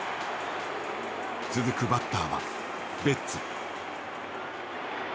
続くバッターはベッツ。